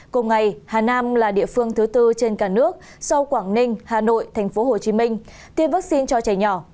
cùng ngày hà nam là địa phương thứ tư trên cả nước sau quảng ninh hà nội tp hcm tiêm vaccine cho trẻ nhỏ